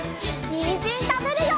にんじんたべるよ！